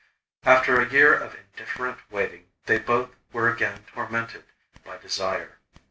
After a year of indifferent waiting they both were again tormented by desire.